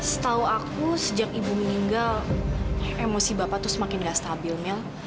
setahu aku sejak ibu meninggal emosi bapak tuh semakin gak stabil mel